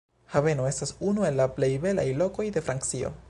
Haveno estas unu el la plej belaj lokoj de Francio.